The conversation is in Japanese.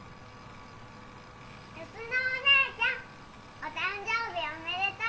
「泰乃お姉ちゃんお誕生日おめでとう！」